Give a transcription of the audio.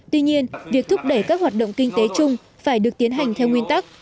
tuy nhiên việc thúc đẩy các hoạt động kinh tế chung phải được tiến hành theo nguyên tắc